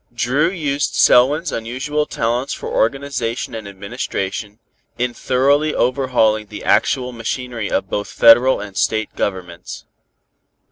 Dru used Selwyn's unusual talents for organization and administration, in thoroughly overhauling the actual machinery of both Federal and State Governments.